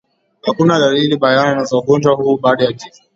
Hakuna dalili bayana za ugonjwa huu baada ya kifo